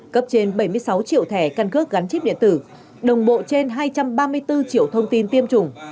cấp trên bảy mươi sáu triệu thẻ căn cước gắn chip điện tử đồng bộ trên hai trăm ba mươi bốn triệu thông tin tiêm chủng